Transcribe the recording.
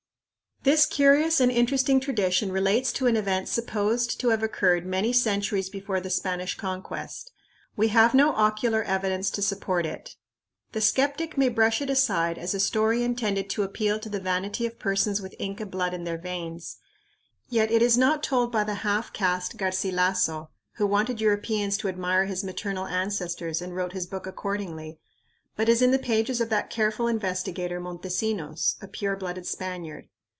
This curious and interesting tradition relates to an event supposed to have occurred many centuries before the Spanish Conquest. We have no ocular evidence to support it. The skeptic may brush it aside as a story intended to appeal to the vanity of persons with Inca blood in their veins; yet it is not told by the half caste Garcilasso, who wanted Europeans to admire his maternal ancestors and wrote his book accordingly, but is in the pages of that careful investigator Montesinos, a pure blooded Spaniard.